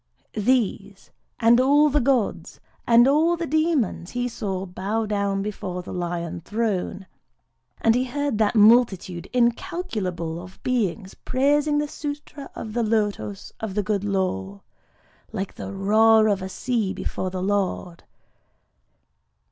These, and all the gods, and all the demons, he saw bow down before the Lion throne; and he heard that multitude incalculable of beings praising the Sûtra of the Lotos of the Good Law,—like the roar of a sea before the Lord.